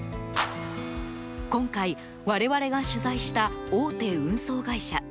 今回、我々が取材した大手運送会社。